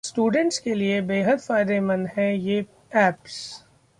students के लिए बेहद फायदेमंद हैं ये ऐप्स